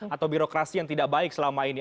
atau birokrasi yang tidak baik selama ini